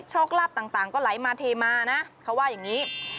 โชคลาภต่างก็ไหลมาเทมานะเขาว่าอย่างนี้